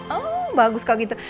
oh bagus kalau gitu